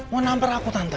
mau nampar aku tante